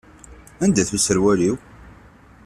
Anda-t userwal-iw?